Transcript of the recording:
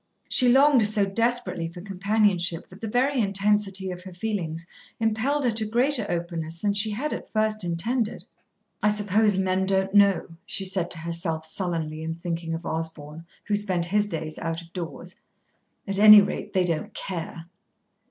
She longed so desperately for companionship that the very intensity of her feelings impelled her to greater openness than she had at first intended. "I suppose men don't know," she said to herself sullenly, in thinking of Osborn, who spent his days out of doors. "At any rate, they don't care."